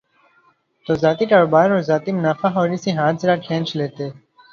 تو ذاتی کاروبار اور ذاتی منافع خوری سے ہاتھ ذرا کھینچ لیتے۔